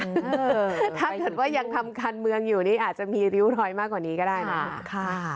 ถ้าเกิดว่ายังทำการเมืองอยู่นี่อาจจะมีริ้วรอยมากกว่านี้ก็ได้นะ